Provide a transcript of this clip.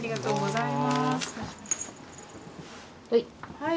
はい。